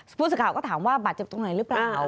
ผู้สื่อข่าวก็ถามว่าบาดเจ็บตรงไหนหรือเปล่า